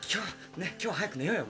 ねっ今日は早く寝ようよ。